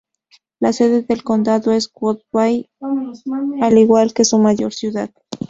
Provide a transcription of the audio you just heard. La sede del condado es Woodville, al igual que su mayor ciudad.